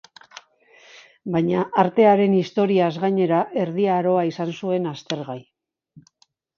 Baina artearen historiaz gainera, Erdi Aroa izan zuen aztergai.